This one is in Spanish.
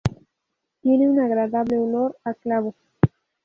Tiene un agradable olor a clavo.